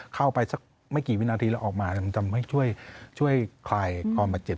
เข้าไปสักไม่กี่วินาทีแล้วออกมามันจะไม่ช่วยคลายความบาดเจ็บ